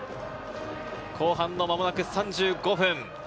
後半の間もなく３５分。